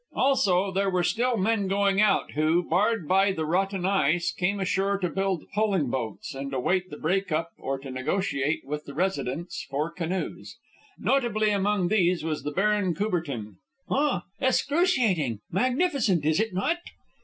Also, there were still men going out who, barred by the rotten ice, came ashore to build poling boats and await the break up or to negotiate with the residents for canoes. Notably among these was the Baron Courbertin. "Ah! Excruciating! Magnificent! Is it not?"